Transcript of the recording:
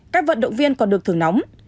các vận động viên còn được thường nóng